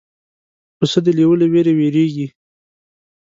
پسه د لیوه له وېرې وېرېږي.